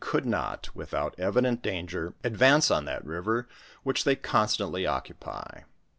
Ii i V could not, without evident danger, advance on that river which they constantly occupy.